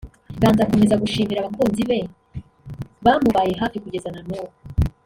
Ganzo akomeza gushimira abakunzi be bamubaye hafi kugeza na nubu